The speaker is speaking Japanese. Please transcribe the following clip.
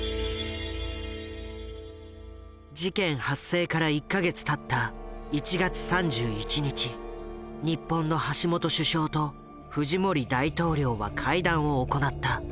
事件発生から１か月たった１月３１日日本の橋本首相とフジモリ大統領は会談を行った。